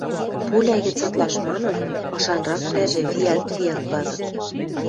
Пуля гӹц ытлаш манын, ышанраквлӓжӹ виӓлт-виӓлт вазыт.